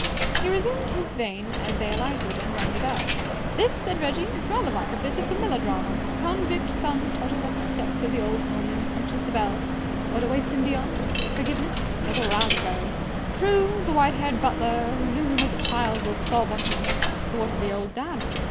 He resumed this vein as they alighted and rang the bell. "This," said Reggie, "is rather like a bit out of a melodrama. Convict son totters up the steps of the old home and punches the bell. What awaits him beyond? Forgiveness? Or the raspberry? True, the white haired butler who knew him as a child will sob on his neck, but what of the old dad?